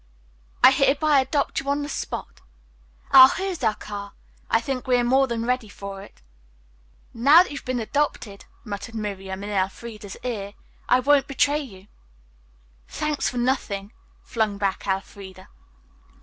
"I hereby adopt you on the spot. Ah, here is our car. I think we are more than ready for it." "Now that you've been adopted," muttered Miriam in Elfreda's ear, "I won't betray you." "Thank you for nothing," flung back Elfreda.